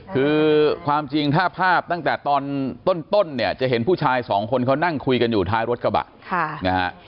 คือความจริงถ้าภาพตั้งแต่ตอนต้นเนี่ยจะเห็นผู้ชายสองคนเขานั่งคุยกันอยู่ท้ายรถกระบะนะฮะ